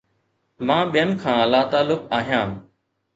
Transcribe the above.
مان ٻين کان لاتعلق آهيان